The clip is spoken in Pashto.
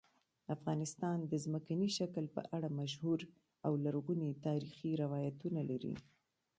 افغانستان د ځمکني شکل په اړه مشهور او لرغوني تاریخی روایتونه لري.